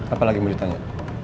apa lagi boleh ditanya